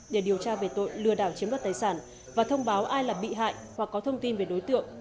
để điều tra về tội lừa đảo chiếm đoạt tài sản và thông báo ai là bị hại hoặc có thông tin về đối tượng